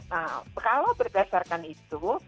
nah kalau berdasarkan itu